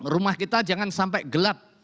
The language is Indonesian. rumah kita jangan sampai gelap